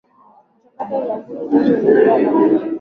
mchakato wa zabuni zote unapangwa na benki kuu